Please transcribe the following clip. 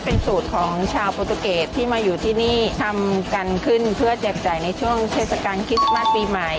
เป็นสูตรของชาวโปรตุเกตที่มาอยู่ที่นี่ทำกันขึ้นเพื่อแจกจ่ายในช่วงเทศกาลคริสต์มัสปีใหม่